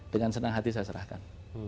dengan senang hati saya serahkan